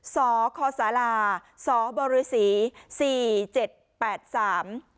สอคอสาลาสอบริษีสี่เจ็ดแปดสาม